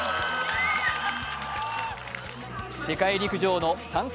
世界陸上の参加